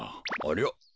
ありゃ。